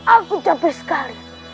aku capek sekali